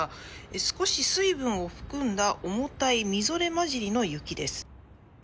少し水分を含んだ重たい、みぞれ交じりの雪です。